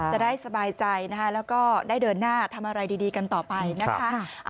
จะได้สบายใจนะคะแล้วก็ได้เดินหน้าทำอะไรดีกันต่อไปนะคะ